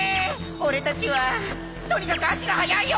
俺たちはとにかく足が速いよ。